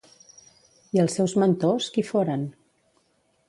I els seus mentors, qui foren?